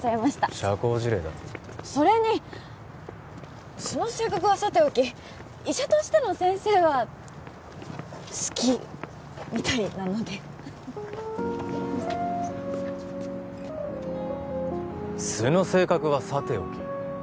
社交辞令だそれに素の性格はさておき医者としての先生は好きみたいなので「素の性格はさておき」？